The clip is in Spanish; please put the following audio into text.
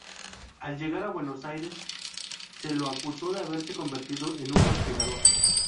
Al llegar a Buenos Aires se lo acusó de haberse convertido en un conspirador.